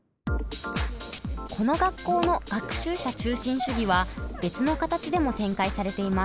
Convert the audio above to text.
この学校の「学習者中心主義」は別の形でも展開されています。